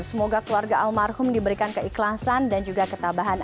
semoga keluarga almarhum diberikan keikhlasan dan juga ketabahan